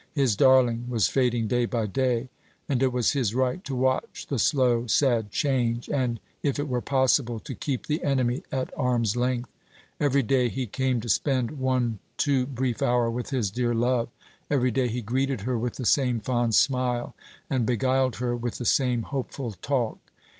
His darling was fading day by day; and it was his right to watch the slow sad change, and, if it were possible, to keep the enemy at arm's length. Every day he came to spend one too brief hour with his dear love; every day he greeted her with the same fond smile, and beguiled her with the same hopeful talk.